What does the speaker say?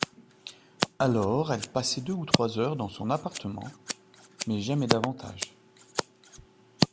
Alors elle passait deux ou trois heures dans son appartement, mais jamais davantage.